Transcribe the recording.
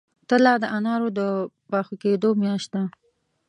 تله د انارو د پاخه کیدو میاشت ده.